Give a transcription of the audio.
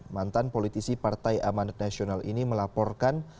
mantan politisi partai amanat nasional ini melaporkan